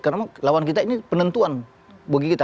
karena lawan kita ini penentuan bagi kita